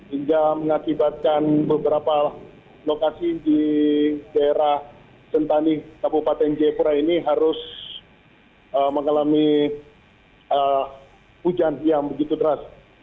hingga mengakibatkan beberapa lokasi di daerah sentani kabupaten jayapura ini harus mengalami hujan yang begitu deras